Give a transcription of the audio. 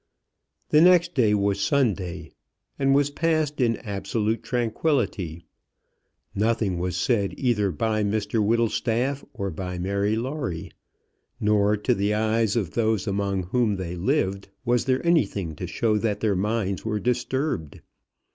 The next day was Sunday, and was passed in absolute tranquillity. Nothing was said either by Mr Whittlestaff or by Mary Lawrie; nor, to the eyes of those among whom they lived, was there anything to show that their minds were disturbed.